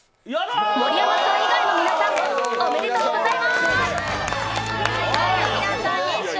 盛山さん以外の皆さん、おめでとうございます。